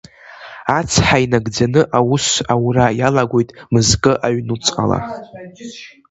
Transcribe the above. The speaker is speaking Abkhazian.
Ацҳа инагӡаны аус аура иалагоит мызкы аҩнуҵҟала.